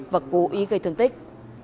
và cố ý gây thương tích